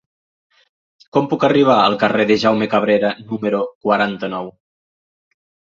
Com puc arribar al carrer de Jaume Cabrera número quaranta-nou?